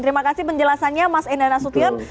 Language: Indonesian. terima kasih penjelasannya mas endana sutian